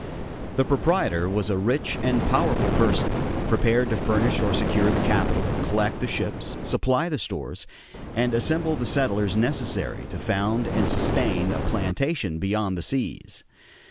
The proprietor was a rich and powerful person, prepared to furnish or secure the capital, collect the ships, supply the stores, and assemble the settlers necessary to found and sustain a plantation beyond the seas.